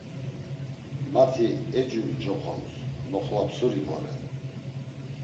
Mati Ecu mcoxons, Noxlapsuri vore.